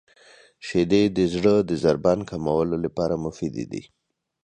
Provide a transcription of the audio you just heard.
• شیدې د زړه د ضربان کمولو لپاره مفیدې دي.